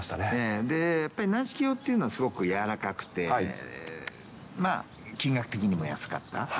やっぱり軟式用っていうのはすごく軟らかくて、金額的にも安かった。